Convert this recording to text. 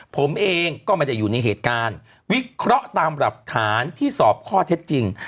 ผมเองก็ไม่ได้อยู่ในเหตุการณ์วิเคราะห์ตามหลักฐานที่สอบข้อเท็จจริง